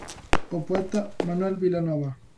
O poeta Manuel Vilanova.